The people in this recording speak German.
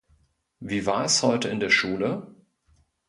Wie war es heute in der Schule?